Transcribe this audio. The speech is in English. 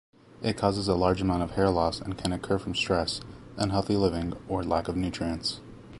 It causes a large amount of hair loss and can occur from stress, unhealthy living or lack of nutrients.